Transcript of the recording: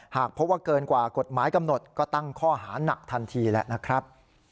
หากพบว่าเกินกว่ากฎหมายกำหนดก็ตั้งข้อหานักทันทีแล้วนะครับ